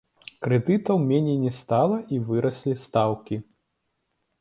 Крэдытаў меней не стала і выраслі стаўкі!